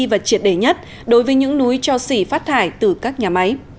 và triệt đề nhất đối với những núi cho xỉ phát thải từ các nhà máy